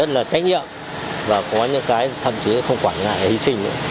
rất là trách nhiệm và có những cái thậm chí không quản ngại hy sinh nữa